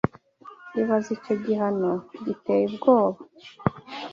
ibaze icyo gihano giteye ubwoba,